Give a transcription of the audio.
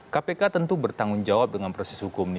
kpk tentu bertanggung jawab dengan proses hukum ini